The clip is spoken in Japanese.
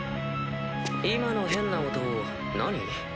今の変な音何？